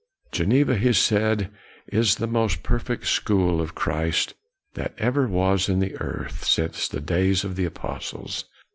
" Geneva," he said, " is the most per fect school of Christ that ever was in the earth since the days of the Apostles.